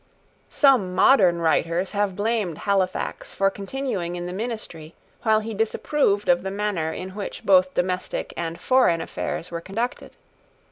Some modern writers have blamed Halifax for continuing in the ministry while he disapproved of the manner in which both domestic and foreign affairs were conducted.